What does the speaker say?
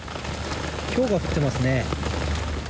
ひょうが降ってますね。